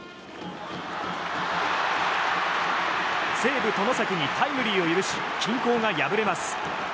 西武、外崎にタイムリーを許し均衡が破れます。